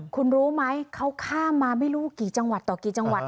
คุณรู้ไหมเขาข้ามมาไม่รู้กี่จังหวัดต่อกี่จังหวัด